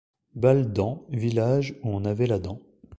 Balledent, village où on avait la dent.